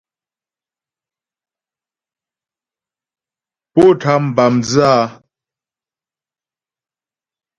Pó tám bǎ mdzə́ a ?